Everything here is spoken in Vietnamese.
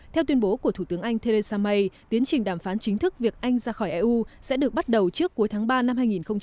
theo tuyên bố của thủ tướng anh theresa may tiến trình đàm phán chính thức việc anh ra khỏi eu sẽ được bắt đầu trước cuối tháng ba năm hai nghìn hai mươi